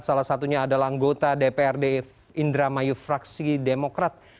salah satunya adalah anggota dprd indramayu fraksi demokrat